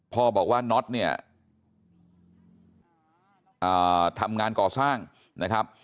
พ่อบอกว่าน็อตเนี่ยทำงานก่อสร้างนะครับ